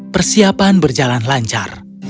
persiapan berjalan lancar